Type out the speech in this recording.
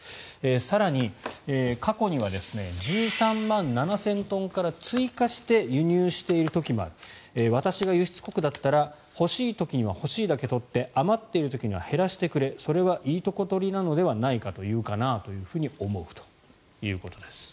更に、過去には１３万７０００トンから追加して輸入している時もある私が輸出国だったら欲しい時には欲しいだけ取って余っている時には減らしてくれそれはいいとこ取りではないか？と言うかなと思うということです。